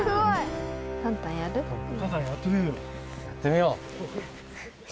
やってみよう。